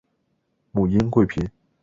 母殷贵嫔。